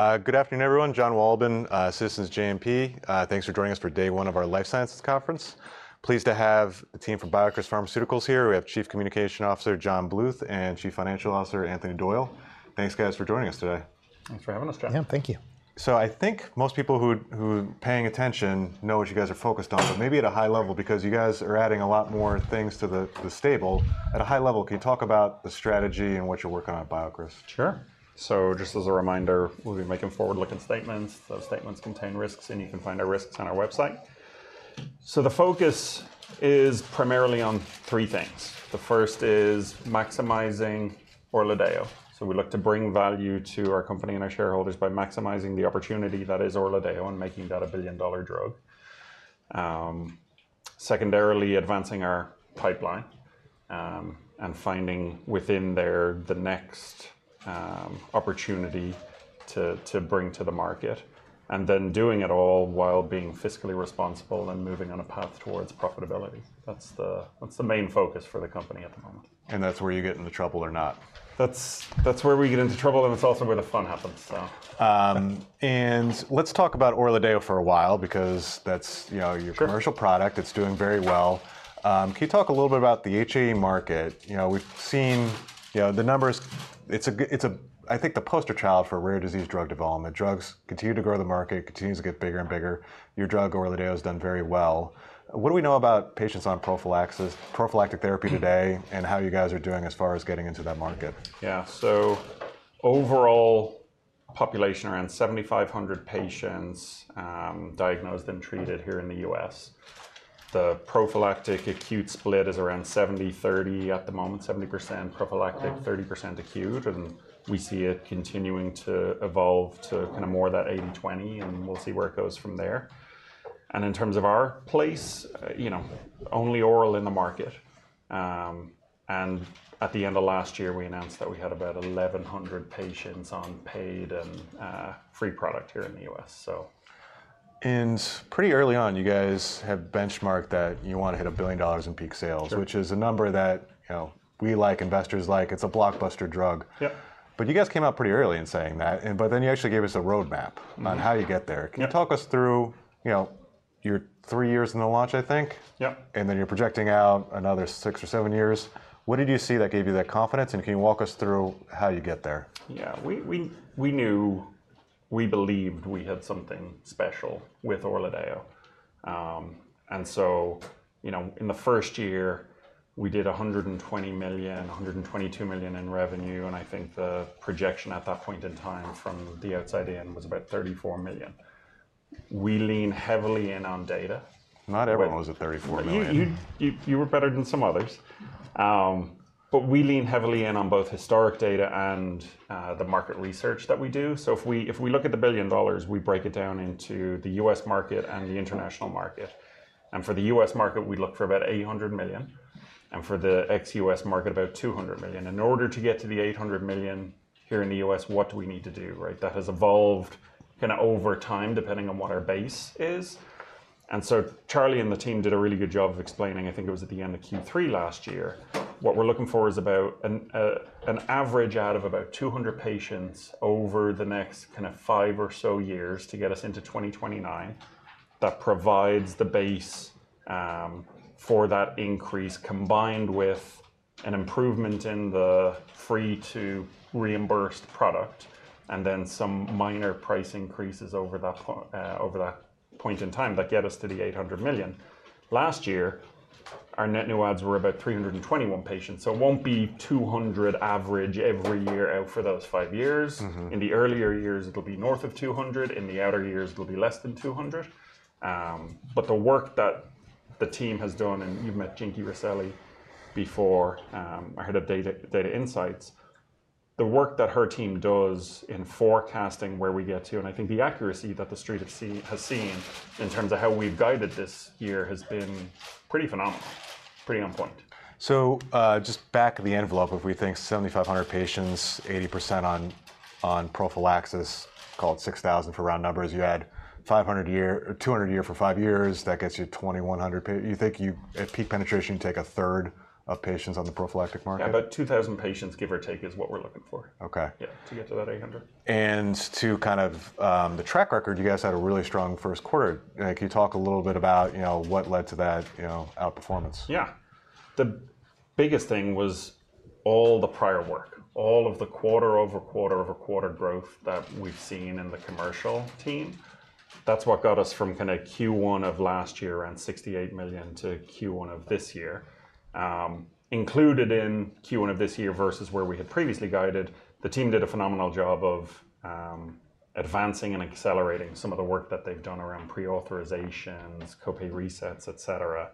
Good afternoon, everyone. Jonathan Wolleben, Citizens JMP. Thanks for joining us for day one of our life sciences conference. Pleased to have the team from BioCryst Pharmaceuticals here. We have Chief Communications Officer, John Bluth, and Chief Financial Officer, Anthony Doyle. Thanks, guys, for joining us today. Thanks for having us, John. Yeah, thank you. So I think most people who are paying attention know what you guys are focused on. But maybe at a high level, because you guys are adding a lot more things to the stable, at a high level, can you talk about the strategy and what you're working on at BioCryst? Sure. So just as a reminder, we'll be making forward-looking statements. Those statements contain risks, and you can find our risks on our website. So the focus is primarily on three things. The first is maximizing ORLADEYO. So we look to bring value to our company and our shareholders by maximizing the opportunity that is ORLADEYO and making that a billion-dollar drug. Secondarily, advancing our pipeline, and finding within there the next opportunity to bring to the market, and then doing it all while being fiscally responsible and moving on a path towards profitability. That's the main focus for the company at the moment. And that's where you get into trouble or not. That's, that's where we get into trouble, and it's also where the fun happens, so. And let's talk about ORLADEYO for a while because that's, you know- Sure... your commercial product. It's doing very well. Can you talk a little bit about the HAE market? You know, we've seen, you know, the numbers. It's a, I think, the poster child for rare disease drug development. Drugs continue to grow the market, continues to get bigger and bigger. Your drug, ORLADEYO, has done very well. What do we know about patients on prophylaxis, prophylactic therapy today- Mm... and how you guys are doing as far as getting into that market? Yeah. So overall population, around 7,500 patients, diagnosed and treated here in the US. The prophylactic/acute split is around 70/30 at the moment, 70% prophylactic, 30% acute, and we see it continuing to evolve to kind of more that 80/20, and we'll see where it goes from there. In terms of our place, you know, only oral in the market. At the end of last year, we announced that we had about 1,100 patients on paid and free product here in the US, so. Pretty early on, you guys have benchmarked that you want to hit $1 billion in peak sales. Sure... which is a number that, you know, we like, investors like. It's a blockbuster drug. Yep. But you guys came out pretty early in saying that, and but then you actually gave us a roadmap- Mm... on how you get there. Yep. Can you talk us through, you know, you're three years into the launch, I think? Yep. And then you're projecting out another six or seven years. What did you see that gave you that confidence, and can you walk us through how you get there? Yeah, we knew we believed we had something special with ORLADEYO. And so, you know, in the first year, we did $120 million, $122 million in revenue, and I think the projection at that point in time from the outside in was about $34 million. We lean heavily in on data. Not everyone was at $34 million. You were better than some others. But we lean heavily in on both historic data and the market research that we do. So if we look at the $1 billion, we break it down into the US market and the international market, and for the US market, we look for about $800 million, and for the ex-US market, about $200 million. In order to get to the $800 million here in the US, what do we need to do, right? That has evolved kind of over time, depending on what our base is. And so Charlie and the team did a really good job of explaining, I think it was at the end of Q3 last year. What we're looking for is about an average out of about 200 patients over the next kind of 5 or so years to get us into 2029. That provides the base for that increase, combined with an improvement in the free to reimbursed product, and then some minor price increases over that point in time that get us to the $800 million. Last year, our net new adds were about 321 patients, so it won't be 200 average every year out for those five years. Mm-hmm. In the earlier years, it'll be north of 200. In the outer years, it'll be less than 200. But the work that the team has done, and you've met Jinky Rosselli before, our head of data, data insights. The work that her team does in forecasting where we get to, and I think the accuracy that the street has seen in terms of how we've guided this year, has been pretty phenomenal, pretty on point. So, just back of the envelope, if we think 7,500 patients, 80% on prophylaxis, call it 6,000 for round numbers. You add 500 a year... 200 a year for 5 years, that gets you to 2,100 pa- You think you, at peak penetration, take a third of patients on the prophylactic market? About 2,000 patients, give or take, is what we're looking for. Okay. Yeah, to get to that $800. And to kind of, the track record, you guys had a really strong Q1. Can you talk a little bit about, you know, what led to that, you know, outperformance? Yeah. The biggest thing was all the prior work, all of the quarter-over-quarter-over-quarter growth that we've seen in the commercial team. That's what got us from kind of Q1 of last year, around $68 million, to Q1 of this year. Included in Q1 of this year versus where we had previously guided, the team did a phenomenal job of advancing and accelerating some of the work that they've done around pre-authorizations, co-pay resets, et cetera,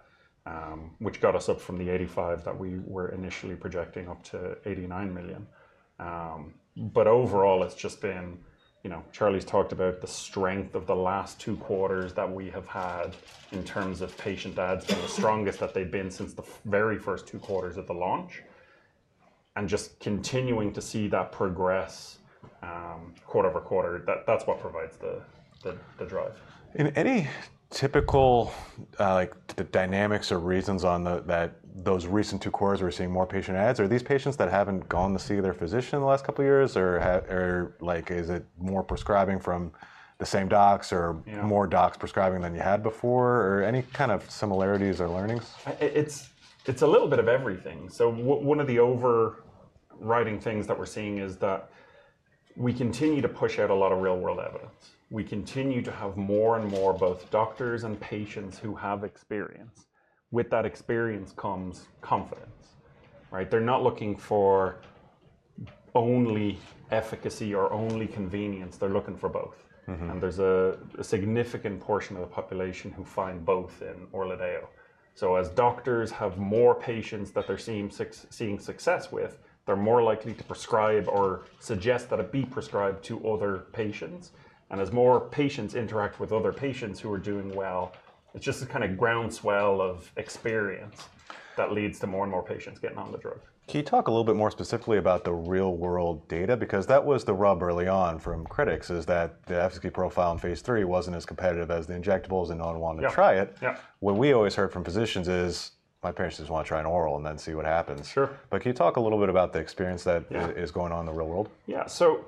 which got us up from the $85 that we were initially projecting up to $89 million. But overall, it's just been... You know, Charlie's talked about the strength of the last two quarters that we have had in terms of patient adds, being the strongest that they've been since the very first two quarters at the launch.... Just continuing to see that progress quarter-over-quarter, that's what provides the drive. In any typical, like, the dynamics or reasons that those recent two quarters we're seeing more patient adds, are these patients that haven't gone to see their physician in the last couple years? Or or, like, is it more prescribing from the same docs- Yeah... or more docs prescribing than you had before, or any kind of similarities or learnings? It's a little bit of everything. So one of the overriding things that we're seeing is that we continue to push out a lot of real-world evidence. We continue to have more and more both doctors and patients who have experience. With that experience comes confidence, right? They're not looking for only efficacy or only convenience, they're looking for both. Mm-hmm. And there's a significant portion of the population who find both in ORLADEYO. So as doctors have more patients that they're seeing seeing success with, they're more likely to prescribe or suggest that it be prescribed to other patients. And as more patients interact with other patients who are doing well, it's just a kind of ground swell of experience that leads to more and more patients getting on the drug. Can you talk a little bit more specifically about the real-world data? Because that was the rub early on from critics, is that the efficacy profile in phase III wasn't as competitive as the injectables, and no one wanted to try it. Yeah, yeah. What we always heard from physicians is, "My patients just want to try an oral and then see what happens. Sure. Can you talk a little bit about the experience that- Yeah... is going on in the real world? Yeah, so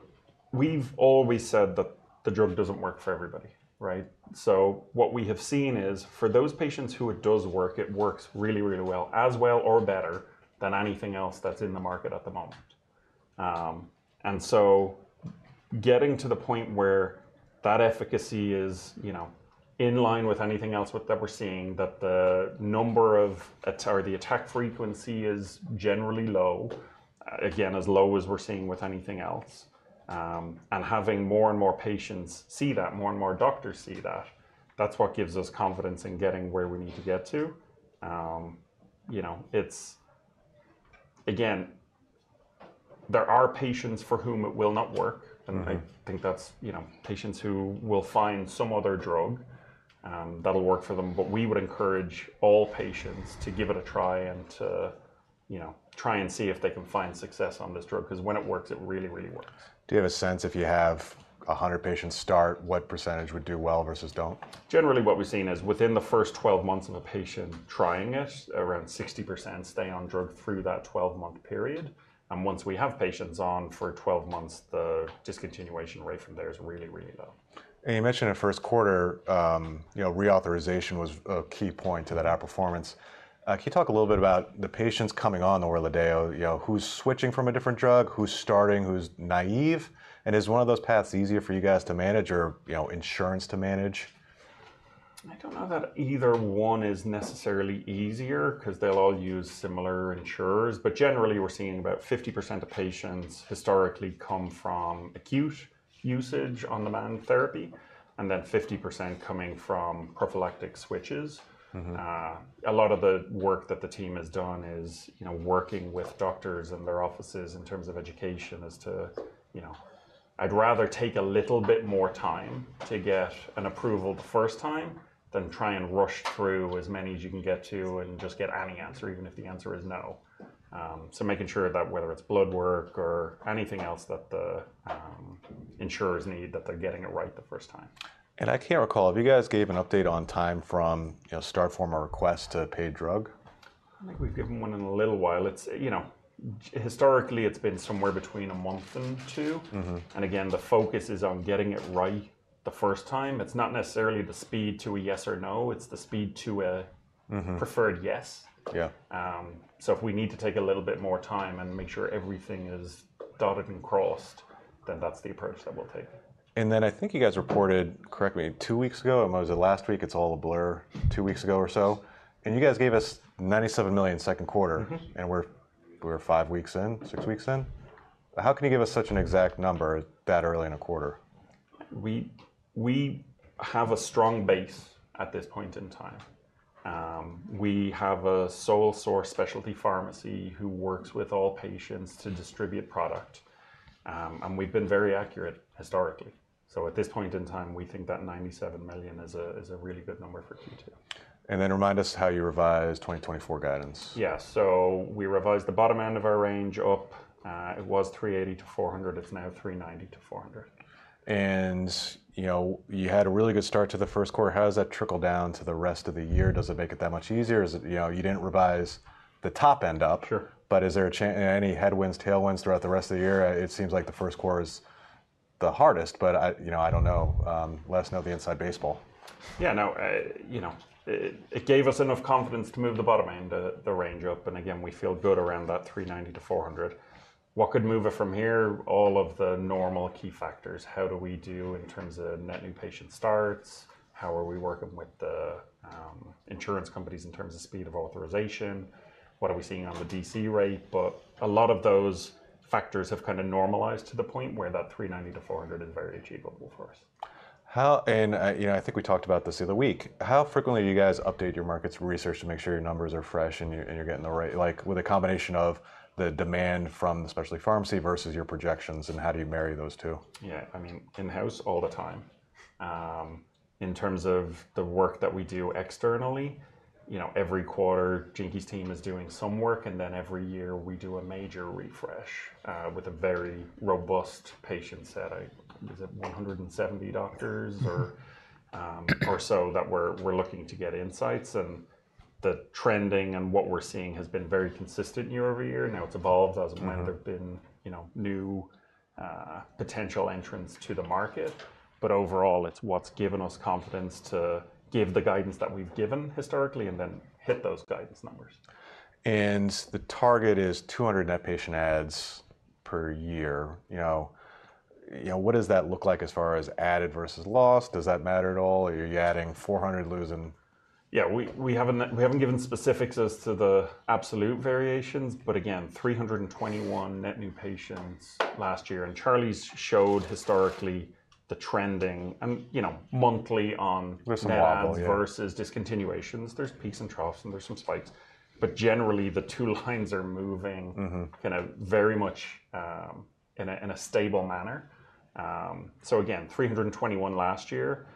we've always said that the drug doesn't work for everybody, right? So what we have seen is, for those patients who it does work, it works really, really well, as well or better than anything else that's in the market at the moment. And so getting to the point where that efficacy is, you know, in line with anything else with... that we're seeing, that the number of, or the attack frequency is generally low, again, as low as we're seeing with anything else. And having more and more patients see that, more and more doctors see that, that's what gives us confidence in getting where we need to get to. You know, it's... Again, there are patients for whom it will not work- Mm-hmm... and I think that's, you know, patients who will find some other drug, that'll work for them. But we would encourage all patients to give it a try, and to, you know, try and see if they can find success on this drug. 'Cause when it works, it really, really works. Do you have a sense, if you have 100 patients start, what percentage would do well versus don't? Generally, what we've seen is, within the first 12 months of a patient trying it, around 60% stay on drug through that 12-month period. Once we have patients on for 12 months, the discontinuation rate from there is really, really low. You mentioned in Q1, you know, reauthorization was a key point to that outperformance. Can you talk a little bit about the patients coming on ORLADEYO? You know, who's switching from a different drug, who's starting, who's naive? Is one of those paths easier for you guys to manage or, you know, insurance to manage? I don't know that either one is necessarily easier, 'cause they'll all use similar insurers. But generally, we're seeing about 50% of patients historically come from acute usage on-demand therapy, and then 50% coming from prophylactic switches. Mm-hmm. A lot of the work that the team has done is, you know, working with doctors in their offices in terms of education as to, you know... I'd rather take a little bit more time to get an approval the first time, than try and rush through as many as you can get to and just get any answer, even if the answer is no. So making sure that whether it's blood work or anything else that the insurers need, that they're getting it right the first time. I can't recall, have you guys gave an update on time from, you know, start from a request to paid drug? I think we've given one in a little while. It's, you know, historically, it's been somewhere between a month and two. Mm-hmm. Again, the focus is on getting it right the first time. It's not necessarily the speed to a yes or no, it's the speed to a- Mm-hmm... preferred, yes. Yeah. If we need to take a little bit more time and make sure everything is dotted and crossed, then that's the approach that we'll take. And then I think you guys reported, correct me, two weeks ago, or was it last week? It's all a blur. Two weeks ago or so, and you guys gave us $97 million Q2- Mm-hmm... and we're five weeks in, six weeks in. Mm-hmm. How can you give us such an exact number that early in a quarter? We have a strong base at this point in time. We have a sole source specialty pharmacy who works with all patients to distribute product, and we've been very accurate historically. So at this point in time, we think that $97 million is a really good number for Q2. And then remind us how you revised 2024 guidance. Yeah. So we revised the bottom end of our range up. It was 380-400, it's now 390-400. You know, you had a really good start to the Q1. How does that trickle down to the rest of the year? Does it make it that much easier? Is it... You know, you didn't revise the top end up- Sure... but is there any headwinds, tailwinds throughout the rest of the year? It seems like the Q1 is the hardest, but I, you know, I don't know. Let us know the inside baseball. Yeah, no, you know, it gave us enough confidence to move the bottom end, the range up, and again, we feel good around that 390-400. What could move it from here? All of the normal key factors. How do we do in terms of net new patient starts? How are we working with the, insurance companies in terms of speed of authorization? What are we seeing on the DC rate? But a lot of those factors have kind of normalized to the point where that 390-400 is very achievable for us. How, and you know, I think we talked about this the other week. How frequently do you guys update your market research to make sure your numbers are fresh, and you're getting the right... Like, with a combination of the demand from the specialty pharmacy versus your projections, and how do you marry those two? Yeah, I mean, in-house, all the time. In terms of the work that we do externally, you know, every quarter, Jinky's team is doing some work, and then every year we do a major refresh with a very robust patient set. Is it 170 doctors or- Mm-hmm or so that we're looking to get insights, and the trending and what we're seeing has been very consistent year-over-year. Mm. Now, it's evolved as there have been- Mm... you know, new, potential entrants to the market. But overall, it's what's given us confidence to give the guidance that we've given historically, and then hit those guidance numbers. The target is 200 net patient adds per year. You know, you know, what does that look like as far as added versus lost? Does that matter at all? Are you adding 400, losing- Yeah, we haven't given specifics as to the absolute variations, but again, 321 net new patients last year, and Charlie's showed historically the trending and, you know, monthly on- There's some wobble, yeah.... adds versus discontinuations. There's peaks and troughs, and there's some spikes. But generally, the two lines are moving- Mm-hmm... kind of very much in a stable manner. So again, 321 last year.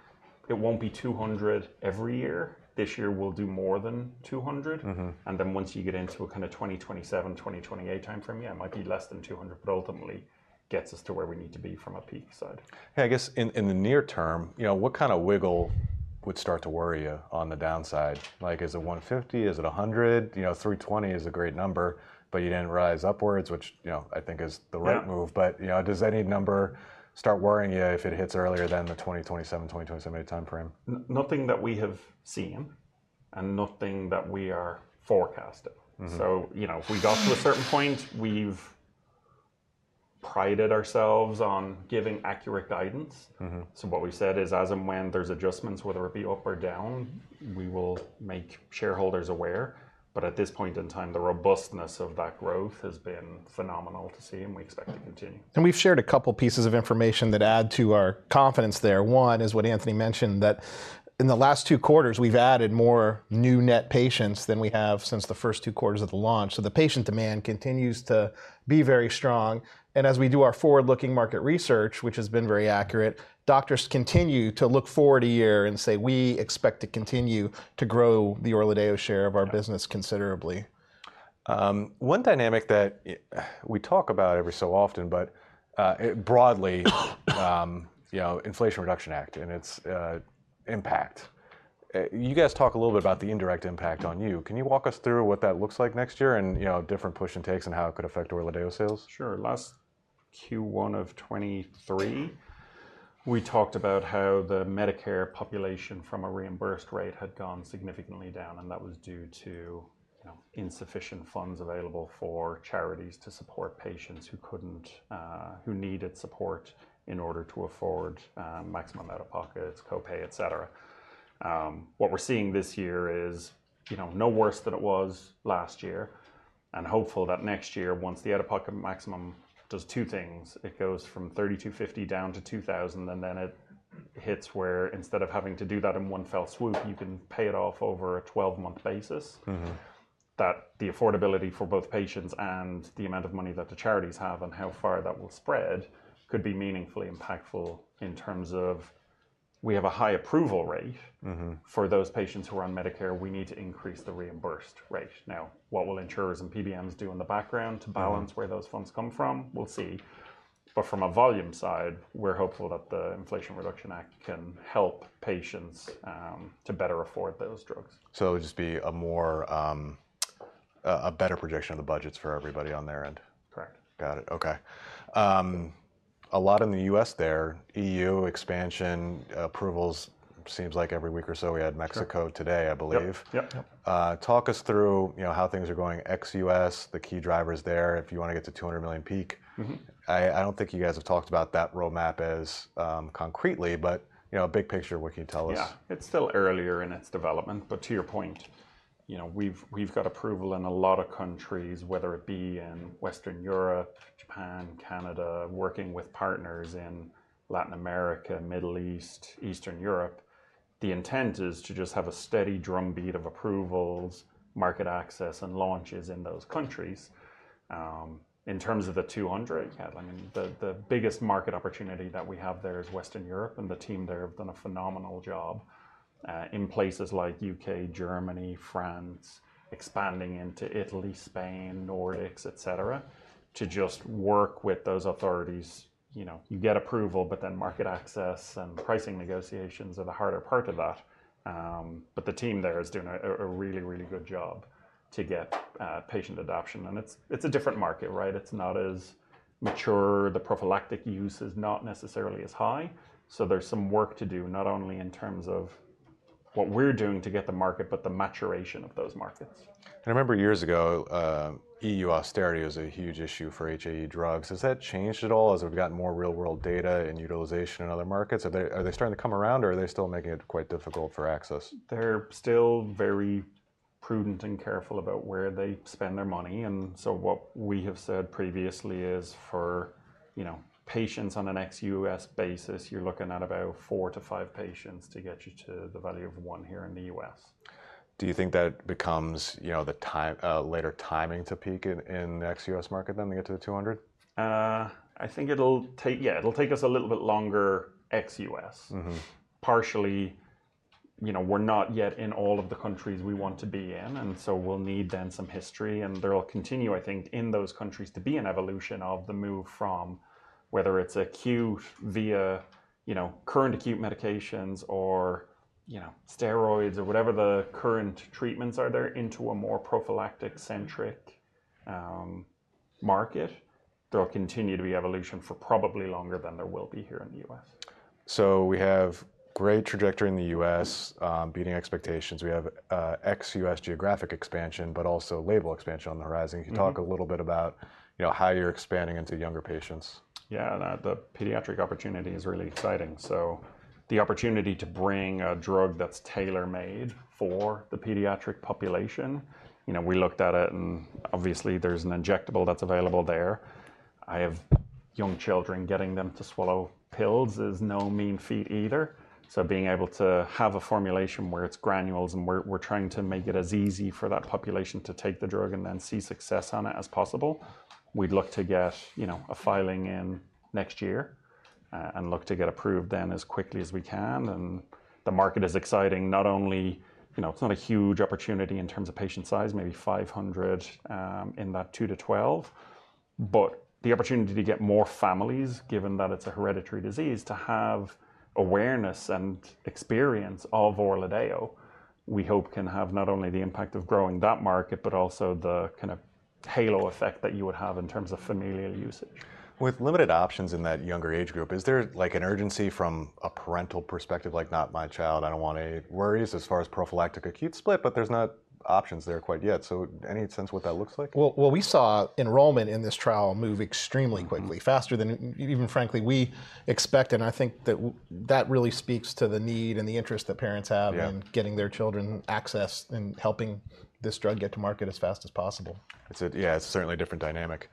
It won't be 200 every year. This year we'll do more than 200. Mm-hmm. And then once you get into a kind of 2027, 2028 timeframe, yeah, it might be less than 200, but ultimately gets us to where we need to be from a peak side. Hey, I guess in the near term, you know, what kind of wiggle would start to worry you on the downside? Like, is it 150, is it 100? You know, 320 is a great number, but you didn't rise upwards, which, you know, I think is the right move. Yeah. You know, does any number start worrying you if it hits earlier than the 2027, 2027 time frame? Nothing that we have seen, and nothing that we are forecasting. Mm-hmm. You know, if we got to a certain point, we've prided ourselves on giving accurate guidance. Mm-hmm. So what we've said is, as and when there's adjustments, whether it be up or down, we will make shareholders aware. But at this point in time, the robustness of that growth has been phenomenal to see, and we expect it to continue. And we've shared a couple pieces of information that add to our confidence there. One is what Anthony mentioned, that in the last two quarters, we've added more new net patients than we have since the first two quarters of the launch. So the patient demand continues to be very strong, and as we do our forward-looking market research, which has been very accurate, doctors continue to look forward a year and say, "We expect to continue to grow the ORLADEYO share of our business considerably. One dynamic that we talk about every so often, but you know, Inflation Reduction Act and its impact. You guys talk a little bit about the indirect impact on you. Can you walk us through what that looks like next year, and you know, different push and takes, and how it could affect ORLADEYO sales? Sure. Last Q1 of 2023, we talked about how the Medicare population from a reimbursed rate had gone significantly down, and that was due to, you know, insufficient funds available for charities to support patients who couldn't who needed support in order to afford maximum out-of-pockets, co-pay, et cetera. What we're seeing this year is, you know, no worse than it was last year, and hopeful that next year, once the out-of-pocket maximum does two things: it goes from $3,250 down to $2,000, and then it hits where instead of having to do that in one fell swoop, you can pay it off over a 12-month basis. Mm-hmm. That the affordability for both patients and the amount of money that the charities have, and how far that will spread, could be meaningfully impactful in terms of we have a high approval rate. Mm-hmm. For those patients who are on Medicare, we need to increase the reimbursed rate. Now, what will insurers and PBMs do in the background? Mm... to balance where those funds come from? We'll see. But from a volume side, we're hopeful that the Inflation Reduction Act can help patients to better afford those drugs. So it'll just be a more better prediction of the budgets for everybody on their end? Correct. Got it. Okay. A lot in the US there, EU expansion, approvals, seems like every week or so we had Mexico. Sure... today, I believe. Yep, yep. Yep. Talk us through, you know, how things are going ex-US, the key drivers there, if you want to get to $200 million peak. Mm-hmm. I don't think you guys have talked about that roadmap as concretely, but, you know, big picture, what can you tell us? Yeah. It's still earlier in its development, but to your point, you know, we've got approval in a lot of countries, whether it be in Western Europe, Japan, Canada, working with partners in Latin America, Middle East, Eastern Europe. The intent is to just have a steady drumbeat of approvals, market access, and launches in those countries. In terms of the 200, I mean, the biggest market opportunity that we have there is Western Europe, and the team there have done a phenomenal job in places like UK, Germany, France, expanding into Italy, Spain, Nordics, et cetera, to just work with those authorities. You know, you get approval, but then market access and pricing negotiations are the harder part of that. But the team there is doing a really, really good job to get patient adoption, and it's a different market, right? It's not as mature. The prophylactic use is not necessarily as high, so there's some work to do, not only in terms of what we're doing to get the market, but the maturation of those markets. I remember years ago, EU austerity was a huge issue for HAE drugs. Has that changed at all as we've gotten more real-world data and utilization in other markets? Are they starting to come around, or are they still making it quite difficult for access? They're still very prudent and careful about where they spend their money, and so what we have said previously is, for, you know, patients on an ex-US basis, you're looking at about four to five patients to get you to the value of one here in the US. Do you think that becomes, you know, the time, later timing to peak in the ex-US market, then, to get to the $200? I think it'll take... Yeah, it'll take us a little bit longer ex-US. Mm-hmm. you know, we're not yet in all of the countries we want to be in, and so we'll need then some history, and there'll continue, I think, in those countries, to be an evolution of the move from whether it's acute via, you know, current acute medications or, you know, steroids or whatever the current treatments are there, into a more prophylactic-centric market. There'll continue to be evolution for probably longer than there will be here in the US. So we have great trajectory in the US, beating expectations. We have ex-US geographic expansion, but also label expansion on the horizon. Mm-hmm. Can you talk a little bit about, you know, how you're expanding into younger patients? Yeah, the pediatric opportunity is really exciting. So the opportunity to bring a drug that's tailor-made for the pediatric population... You know, we looked at it, and obviously there's an injectable that's available there. I have young children. Getting them to swallow pills is no mean feat either. So being able to have a formulation where it's granules, and we're trying to make it as easy for that population to take the drug and then see success on it as possible. We'd look to get, you know, a filing in next year, and look to get approved then as quickly as we can, and the market is exciting. Not only... You know, it's not a huge opportunity in terms of patient size, maybe 500, in that 2-12, but the opportunity to get more families, given that it's a hereditary disease, to have awareness and experience of ORLADEYO, we hope can have not only the impact of growing that market, but also the kind of halo effect that you would have in terms of familial usage. With limited options in that younger age group, is there, like, an urgency from a parental perspective? Like, "Not my child, I don't want any worries," as far as prophylactic acute split, but there's not options there quite yet. So any sense what that looks like? Well, well, we saw enrollment in this trial move extremely quickly- Mm... faster than even frankly, we expect, and I think that really speaks to the need and the interest that parents have- Yeah... in getting their children access and helping this drug get to market as fast as possible. It's... Yeah, it's certainly a different dynamic.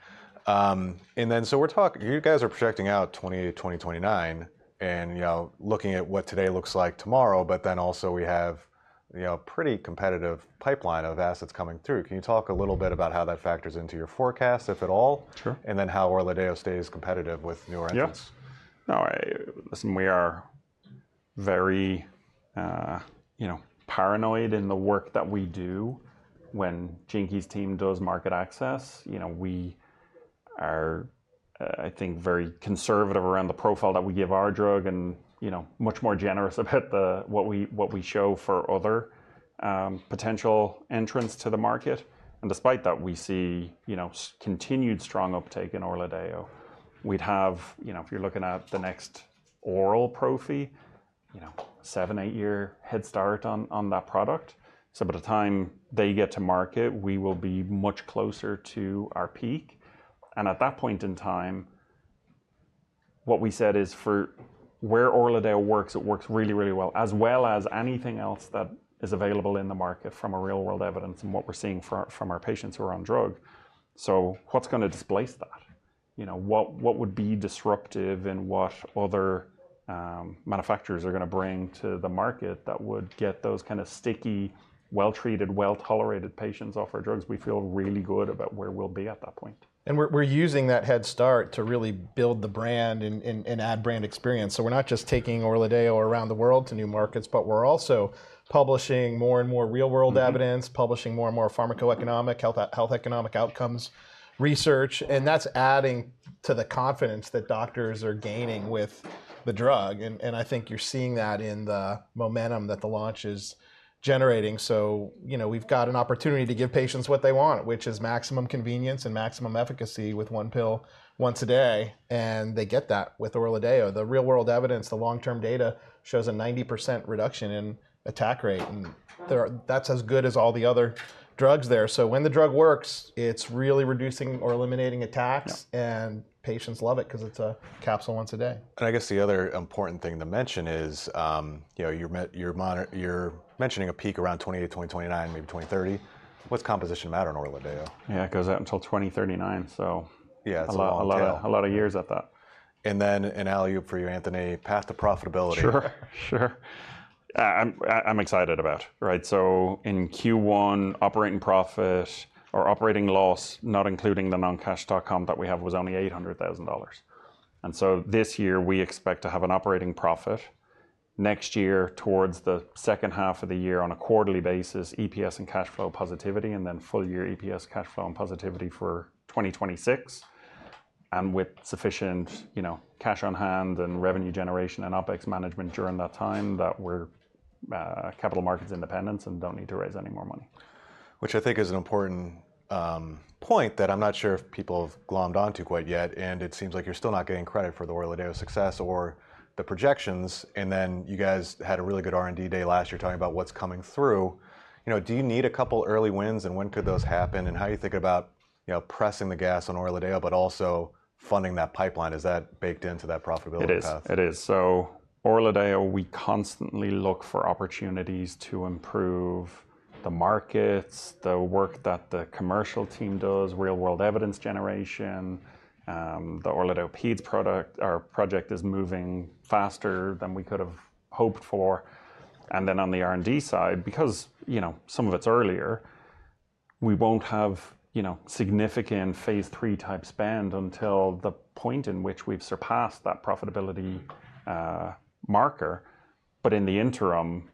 And then you guys are projecting out to 2028, 2029, and, you know, looking at what today looks like tomorrow, but then also we have, you know, a pretty competitive pipeline of assets coming through. Can you talk a little bit about how that factors into your forecast, if at all? Sure. And then, how ORLADEYO stays competitive with newer entrants? Yep. No, I... Listen, we are very, you know, paranoid in the work that we do. When Jinky's team does market access, you know, we are, I think, very conservative around the profile that we give our drug and, you know, much more generous about the, what we, what we show for other, potential entrants to the market. And despite that, we see, you know, continued strong uptake in ORLADEYO. We'd have, you know, if you're looking at the next oral prophy, you know, seven to eight year head start on, on that product. So by the time they get to market, we will be much closer to our peak, and at that point in time, what we said is for where ORLADEYO works, it works really, really well, as well as anything else that is available in the market from a real-world evidence and what we're seeing from our patients who are on drug. So what's gonna displace that? You know, what, what would be disruptive, and what other manufacturers are gonna bring to the market that would get those kind of sticky, well-treated, well-tolerated patients off our drugs? We feel really good about where we'll be at that point. And we're using that head start to really build the brand and add brand experience. So we're not just taking ORLADEYO around the world to new markets, but we're also publishing more and more real-world evidence- Mm-hmm... publishing more and more pharmacoeconomic, health economic outcomes research, and that's adding to the confidence that doctors are gaining with the drug. And I think you're seeing that in the momentum that the launch is generating. So, you know, we've got an opportunity to give patients what they want, which is maximum convenience and maximum efficacy with one pill once a day, and they get that with ORLADEYO. The real-world evidence, the long-term data, shows a 90% reduction in attack rate, that's as good as all the other drugs there. So when the drug works, it's really reducing or eliminating attacks- Yeah... and patients love it 'cause it's a capsule once a day. I guess the other important thing to mention is, you know, you're mentioning a peak around 2028, 2029, maybe 2030. What's composition matter on ORLADEYO? Yeah, it goes out until 2039, so- Yeah, it's a long tail.... a lot of years at that. And then an alley-oop for you, Anthony, path to profitability. Sure. Sure. I'm excited about, right? So in Q1, operating profit or operating loss, not including the non-cash stock comp that we have, was only $800,000. And so this year we expect to have an operating profit. Next year, towards the second half of the year, on a quarterly basis, EPS and cash flow positivity, and then full-year EPS cash flow and positivity for 2026. And with sufficient, you know, cash on hand and revenue generation and OpEx management during that time, that we're capital markets independence and don't need to raise any more money. Which I think is an important point that I'm not sure if people have glommed onto quite yet, and it seems like you're still not getting credit for the ORLADEYO success or the projections. And then you guys had a really good R&D day last year, talking about what's coming through. You know, do you need a couple early wins, and when could those happen? And how you think about, you know, pressing the gas on ORLADEYO but also funding that pipeline, is that baked into that profitability path? It is, it is. So ORLADEYO, we constantly look for opportunities to improve the markets, the work that the commercial team does, real-world evidence generation. The ORLADEYO Peds product, or project, is moving faster than we could have hoped for. And then on the R&D side, because, you know, some of it's earlier, we won't have, you know, significant phase III-type spend until the point in which we've surpassed that profitability marker. But in the interim,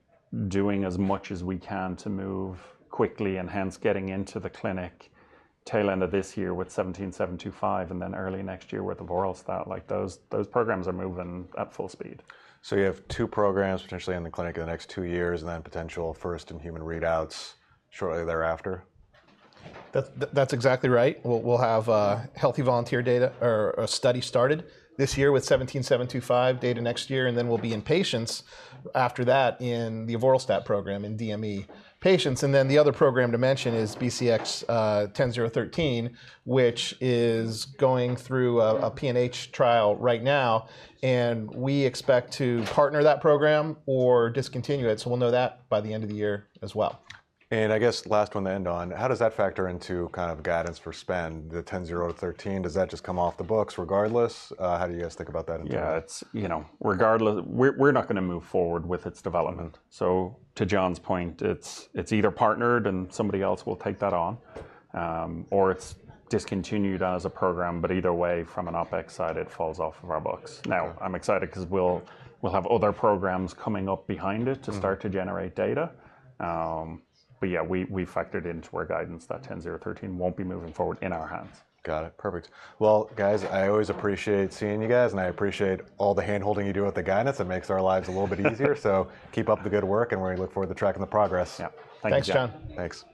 doing as much as we can to move quickly, and hence, getting into the clinic tail end of this year with 17-725, and then early next year with avoralstat. Like, those, those programs are moving at full speed. So you have two programs potentially in the clinic in the next two years, and then potential first in human readouts shortly thereafter? That's exactly right. We'll have healthy volunteer data or a study started this year with BCX17725, data next year, and then we'll be in patients after that in the avoralstat program, in DME patients. And then the other program to mention is BCX10013, which is going through a PNH trial right now, and we expect to partner that program or discontinue it, so we'll know that by the end of the year as well. And I guess last one to end on, how does that factor into kind of guidance for spend, the 10013? Does that just come off the books regardless? How do you guys think about that in terms- Yeah, it's, you know, regardless. We're not gonna move forward with its development. So to John's point, it's either partnered and somebody else will take that on, or it's discontinued as a program. But either way, from an OpEx side, it falls off of our books. Okay. Now, I'm excited 'cause we'll have other programs coming up behind it- Mm... to start to generate data. But yeah, we, we factored into our guidance that 10013 won't be moving forward in our hands. Got it. Perfect. Well, guys, I always appreciate seeing you guys, and I appreciate all the hand-holding you do with the guidance. It makes our lives a little bit easier. So keep up the good work, and we're gonna look forward to tracking the progress. Yep. Thanks, John. Thanks, John. Thanks.